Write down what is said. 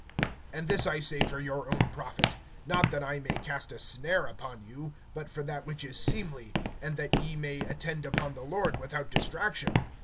(35)And this I say for your own profit; not that I may cast a snare upon you, but for that which is seemly, and that ye may attend upon the Lord without distraction.